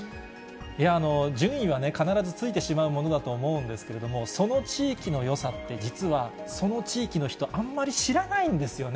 いやー、順位は必ずついてしまうものだと思うんですけれども、その地域のよさって、実はその地域の人、あんまり知らないんですよね。